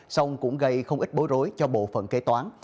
xong cũng gây không ít bối rối cho bộ phận kế toán